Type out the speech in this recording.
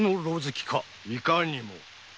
いかにも。